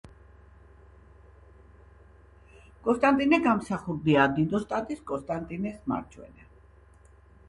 კონსტანტინე გამსახურდია დიდოსტატის კონსტანტინეს მარჯვენა